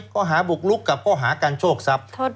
ข้อหาบุกลุกกับข้อหาการโชคทรัพย์